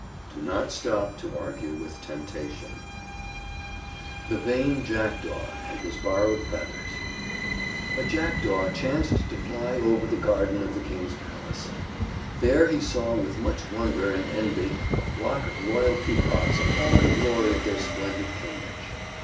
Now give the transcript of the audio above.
Do not stop to argue with temptation. THE VAIN JACKDAW AND HIS BORROWED FEATHERS A Jackdaw chanced to fly over the garden of the King's palace. There he saw with much wonder and envy a flock of royal Peacocks in all the glory of their splendid plumage.